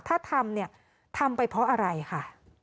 ถ้าทำเนี่ยทำไปเพราะอะไรค่ะ